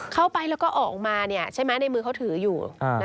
เข้าไปแล้วก็ออกมาใช่ไหมในมือเขาถืออยู่